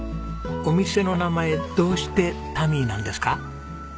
お店の名前どうして「タミー」なんですか？